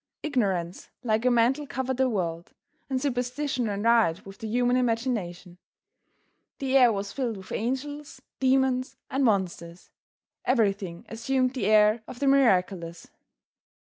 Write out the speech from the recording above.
Ignorance like a mantle covered the world, and superstition ran riot with the human imagination. The air was filled with angels, demons and monsters. Everything assumed the air of the miraculous.